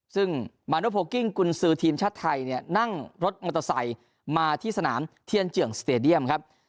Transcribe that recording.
ซึ่งมาโนโพลกิ้งกุญซือทีมชาติไทยเนี่ยนั่งรถมอเตอร์ไซค์มาที่สนามเทียนเจืองสเตดียมครับ